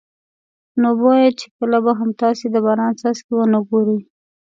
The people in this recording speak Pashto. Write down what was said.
نو بویه چې کله به هم تاسې د باران څاڅکي ونه ګورئ.